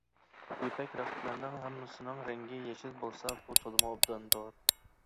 يىپەك رەختلەرنىڭ ھەممىسىنىڭ رەڭگى يېشىل بولسا، بۇ تولىمۇ ئوبداندۇر.